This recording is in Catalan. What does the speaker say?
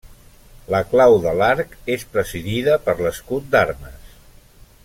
La clau de l'arc és presidida per l'escut d'armes.